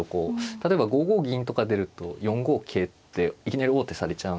例えば５五銀とか出ると４五桂っていきなり王手されちゃうんで。